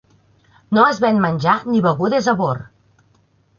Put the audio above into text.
No es ven menjar ni begudes a bord.